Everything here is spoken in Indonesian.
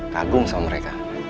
kagum sama mereka